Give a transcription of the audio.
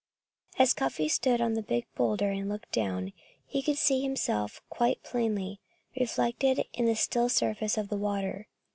As Cuffy stood on the big boulder and looked down, he could see himself quite plainly, reflected in the still surface of the water.